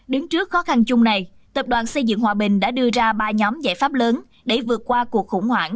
đứng trước khó khăn chung này tập đoàn xây dựng hòa bình đã đưa ra ba nhóm giải pháp lớn để vượt qua cuộc khủng hoảng